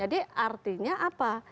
jadi artinya apa